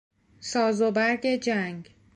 ساز و برگ جنگ